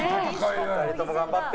２人とも頑張って！